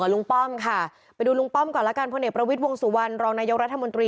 ๗ล้านกว่าชีวิต